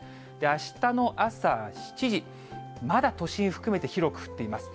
あしたの朝７時、まだ都心含めて広く降っています。